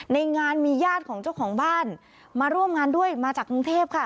ในงานมีญาติของเจ้าของบ้านมาร่วมงานด้วยมาจากกรุงเทพค่ะ